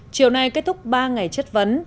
chiều nay kết thúc ba ngày chất vấn